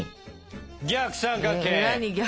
逆三角形！